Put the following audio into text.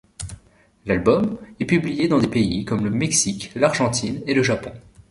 L'album est publié dans des pays comme le Mexique, l'Argentine et le Japon.